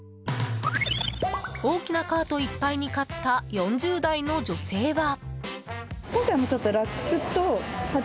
大きなカートいっぱいに買った４０代の女性は。